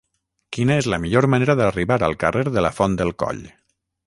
Quina és la millor manera d'arribar al carrer de la Font del Coll?